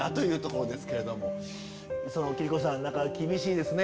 磯野貴理子さん厳しいですね